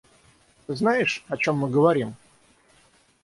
Ты знаешь, о чем мы говорим?